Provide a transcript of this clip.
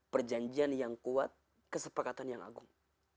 perjanjian yang kuat kesepakatan yang agung